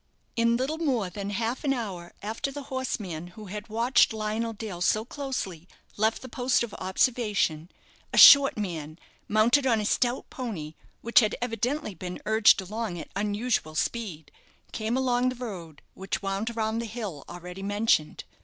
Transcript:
In little more than half an hour after the horseman who had watched Lionel Dale so closely left the post of observation, a short man, mounted on a stout pony, which had evidently been urged along at unusual speed, came along the road, which wound around the hill already mentioned.